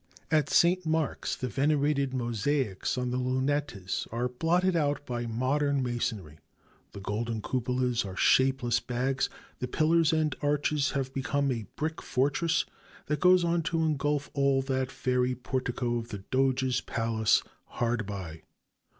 At St. Mark's ... the venerated mosaics on the lunettes are blotted out by modern masonry, the golden cupolas are shapeless bags, the pillars and arches have become a brick fortress that goes on to engulf all that fairy portico of the Doges' Palace hard by.